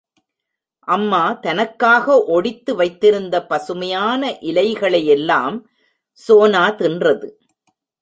அம்மா தனக்காக ஒடித்து வைத்திருந்த பசுமையான இலைகளேயெல்லாம் சோனா தின்றது.